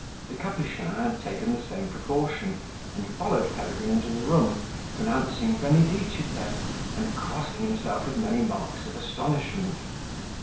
The Capuchin had taken the same precaution, and followed Peregrine into the room, pronouncing benedicite, and crossing himself with many marks of astonishment.